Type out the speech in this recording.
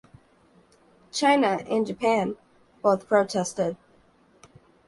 China and Japan both protested.